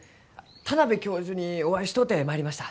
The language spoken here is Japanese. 田邊教授にお会いしとうて参りました。